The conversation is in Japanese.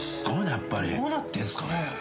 どうなってんすかね。